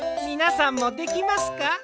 みなさんもできますか？